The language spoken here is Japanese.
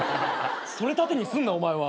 それ盾にすんなお前は。